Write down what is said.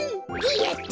やった！